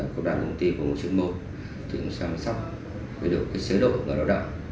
công đoàn công ty và chuyên môn đã phù hợp với đủ chế độ người lao động